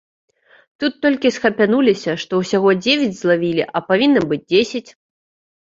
Тут толькі схапянуліся, што ўсяго дзевяць злавілі, а павінна быць дзесяць.